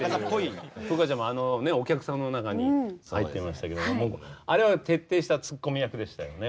風花ちゃんもあのお客さんの中に入ってましたけどもあれは徹底したツッコミ役でしたよね。